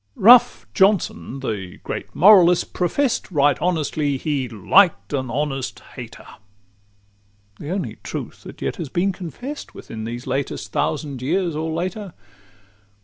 VII Rough Johnson, the great moralist, profess'd, Right honestly, "he liked an honest hater!" The only truth that yet has been confest Within these latest thousand years or later.